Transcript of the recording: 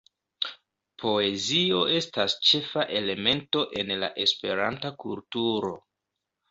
Poezio estas ĉefa elemento en la Esperanta kulturo.